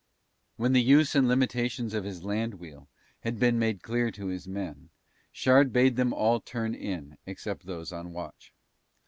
When the use and limitations of his land wheel had been made clear to his men, Shard bade them all turn in except those on watch.